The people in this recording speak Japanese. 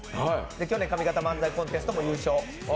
去年、上方漫才コンテストも優勝。